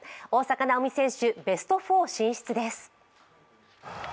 大坂なおみ選手、ベスト４進出です。